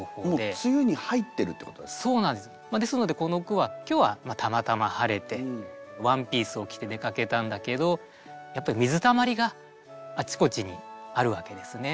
ですのでこの句は今日はたまたま晴れてワンピースを着て出かけたんだけどやっぱり水たまりがあちこちにあるわけですね。